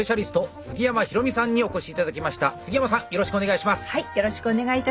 杉山さんよろしくお願いします。